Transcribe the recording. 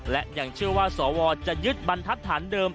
และยังเชื่อว่าสวจะยึดบรรทัศน์เดิม